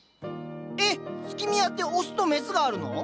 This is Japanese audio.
えっスキミアってオスとメスがあるの？